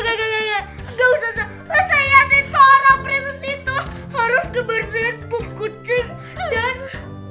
gak usah usah ya sih seorang presiden itu harus bersihin pup kucing